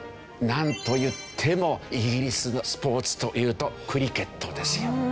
なんといってもイギリスのスポーツというとクリケットですよ。